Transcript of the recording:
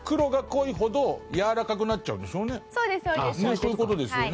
そういう事ですよね。